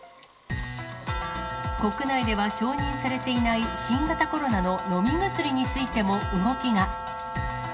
国内では承認されていない新型コロナの飲み薬についても動きが。